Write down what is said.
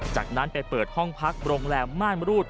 จากนั้นไปเปิดห้องพักโรงแรมม่านมรูด